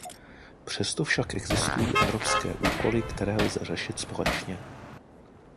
Přesto však existují evropské úkoly, které lze řešit společně.